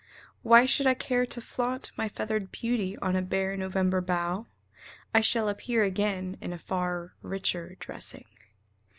Why should I care to flaunt My feathered beauty on a bare November bough? I shall appear again in a far richer dressing.